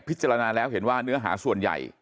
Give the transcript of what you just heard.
พิจารณาแล้วเห็นว่าเนื้อหาส่วนใหญ่